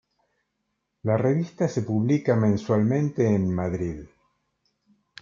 La revista se publica mensualmente en Madrid.